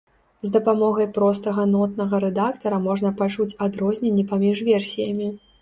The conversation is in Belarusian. З дапамогай простага нотнага рэдактара можна пачуць адрозненні паміж версіямі.